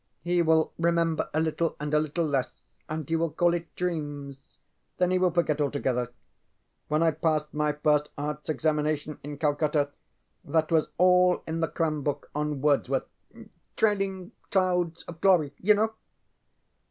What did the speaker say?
He will remember a little and a little less, and he will call it dreams. Then he will forget altogether. When I passed my First Arts Examination in Calcutta that was all in the cram book on Wordsworth. ŌĆśTrailing clouds of glory, ŌĆÖ you know.